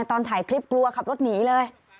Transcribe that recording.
ตอนถ่ายคลิปกลัวขับรถหนีเลย